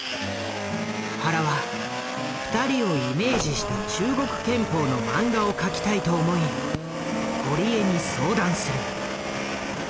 原は２人をイメージした中国拳法の漫画を描きたいと思い堀江に相談する。